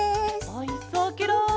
おいしそうケロ。